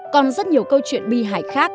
còn rất nhiều câu chuyện bi hài khác